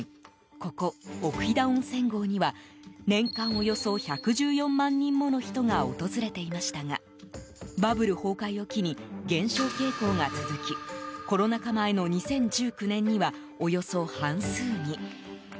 ここ、奥飛騨温泉郷には年間およそ１１４万人もの人が訪れていましたがバブル崩壊を機に減少傾向が続きコロナ禍前の２０１９年にはおよそ半数に。